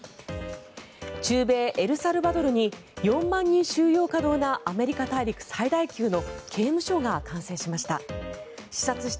中米エルサルバドルに４万人収容可能なアメリカ大陸最大級の刑務所が完成しました。